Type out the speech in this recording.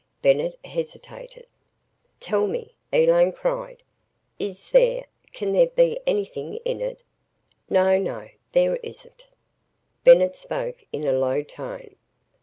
Bennett hesitated. "Tell me," Elaine cried, "Is there can there be anything in it? No no there isn't!" Bennett spoke in a low tone.